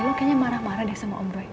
lu sepertinya marah marah dengan om roy